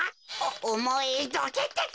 おおもいどけってか！